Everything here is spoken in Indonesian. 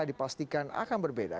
dipastikan akan berbeda